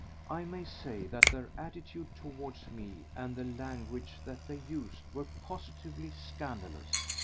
I may say that their attitude towards me and the language that they used were positively scandalous.